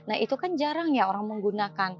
event gawai itu kan jarang orang menggunakan